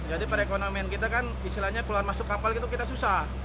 jadi perekonomian kita kan istilahnya keluar masuk kapal itu kita susah